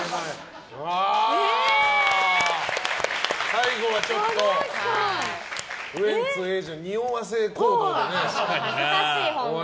最後はちょっとウエンツ瑛士のにおわせ行動で終わりましたけど。